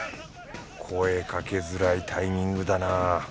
声かけづらいタイミングだなぁ。